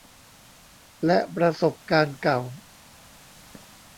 และประสบการณ์เก่า